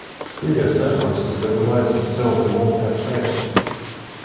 Previous efforts to stabilize and sell the mall had failed.